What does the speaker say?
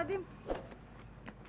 oh itu lebih mahal kenapa